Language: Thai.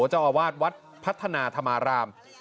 เจ้าอาวาสวัดพัฒนาธรรมาราม